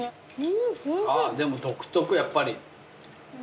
ああでも独特やっぱり。